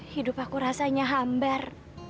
hidup aku rasanya hamber